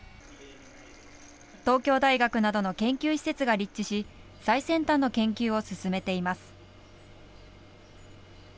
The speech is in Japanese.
東京大学などの研究施設が立地し最先端の研究を進めています。